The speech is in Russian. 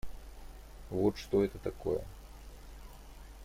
Вот что это такое.